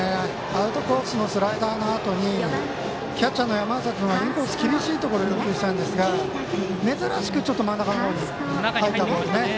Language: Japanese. アウトコースのスライダーのあとにキャッチャーの山浅君はインコース厳しいところ要求したんですが珍しくちょっと真ん中に入ったボール。